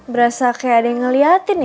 berasa kayak ada yang ngeliatin ya